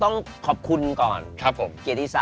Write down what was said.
มองบอกเลยใครชอบเรียกผมผิดอะ